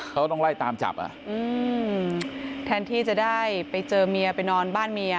เขาต้องไล่ตามจับแทนที่จะได้ไปเจอเมียไปนอนบ้านเมีย